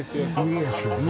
麦が好きだね